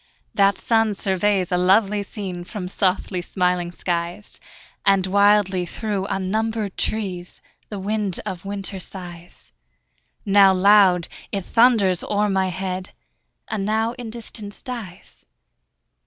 That sun surveys a lovely scene From softly smiling skies; And wildly through unnumbered trees The wind of winter sighs: Now loud, it thunders o'er my head, And now in distance dies.